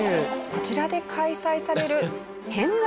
こちらで開催される変顔